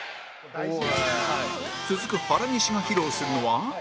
続く原西が披露するのは